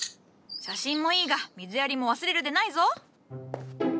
写真もいいが水やりも忘れるでないぞ。